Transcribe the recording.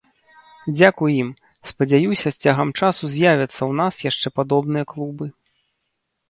Дзякуй ім, спадзяюся, з цягам часу з'явяцца ў нас яшчэ падобныя клубы.